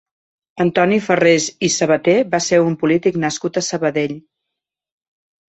Antoni Farrés i Sabater va ser un polític nascut a Sabadell.